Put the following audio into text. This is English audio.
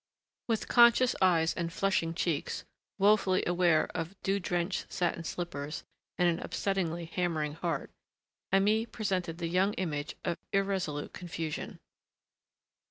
With conscious eyes and flushing cheeks, woefully aware of dew drenched satin slippers and an upsettingly hammering heart, Aimée presented the young image of irresolute confusion.